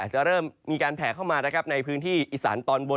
จะเริ่มมีการแผ่เข้ามานะครับในพื้นที่อีสานตอนบน